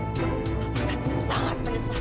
mama akan sangat benar